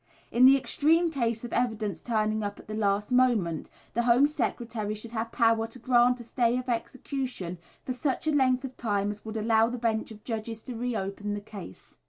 In the extreme case of evidence turning up at the last moment, the Home Secretary should have power to grant a stay of execution for such length of time as would allow the bench of judges to re open the case.